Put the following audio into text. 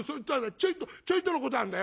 ちょいとちょいとのことなんだよ。